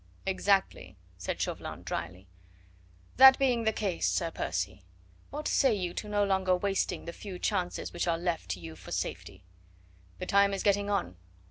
"Exactly," said Chauvelin dryly. "That being the case, Sir Percy, what say you to no longer wasting the few chances which are left to you for safety? The time is getting on.